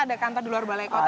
ada kantor di luar balai kota